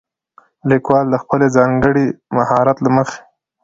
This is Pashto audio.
ليکوال د خپل ځانګړي مهارت له مخې